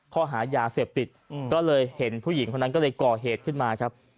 ข้อหายาเสพติดก็เลยเห็นผู้หญิงคนนั้นก็เลยก่อเหตุขึ้นมาครับ